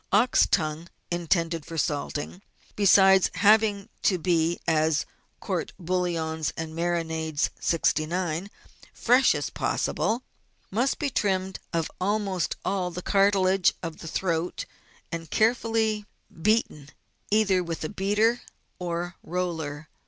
Ox tongue intended for salting, besides having to be as COURT BOUILLONS AND MARINADES 69 fresh as possible, must be trimmed of almost all the cartilage of the throat, and carefully beaten either with a beater or roller.